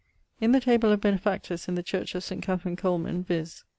In the table of benefactors in the church of St. Catherine Colman, viz.